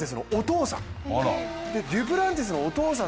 デュプランティスのお父さん。